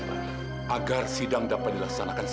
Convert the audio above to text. sampai jumpa di video selanjutnya